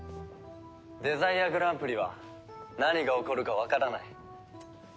デザイアグランプリは何が起こるかわからない。